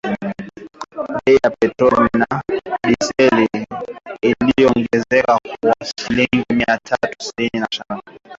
Bei ya petroli na dizeli iliongezeka kwa shilingi Mia tatu ishirini moja za Tanzania